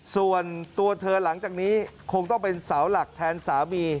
ส่วนตัวเธอหลังจากนี้คงต้องเป็นเสาหลักแทนสามี